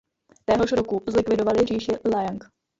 Téhož roku zlikvidovali říši Liang.